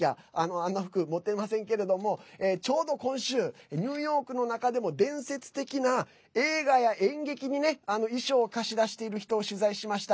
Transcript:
あんな服、持てませんけれどもちょうど今週ニューヨークの中でも伝説的な映画や演劇にね衣装を貸し出している人を取材しました。